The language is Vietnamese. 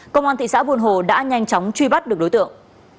công an thị xã buôn hồ đã nhanh chóng truy bắt được đối tượng